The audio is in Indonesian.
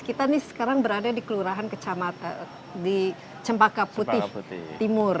kita nih sekarang berada di kelurahan kecamatan di cempaka putih timur